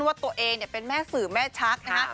ว่าตัวเองเป็นแม่สื่อแม่ชักนะฮะ